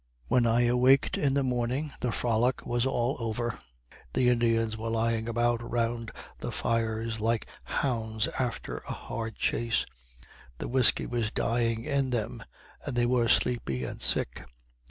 When I awaked in the morning the frolic was all over. The Indians were lying about round the fires like hounds after a hard chase; the whiskey was dying in them, and they were sleepy and sick.